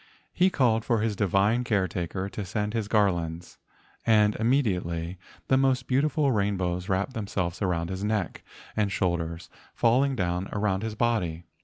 He called for his divine caretaker to send his garlands, and imme¬ diately the most beautiful rainbows wrapped themselves around his neck and shoulders, fall¬ ing down around his body.